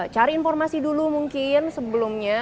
cari informasi dulu mungkin sebelumnya